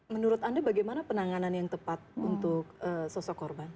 menurut anda bagaimana penanganan yang tepat untuk sosok korban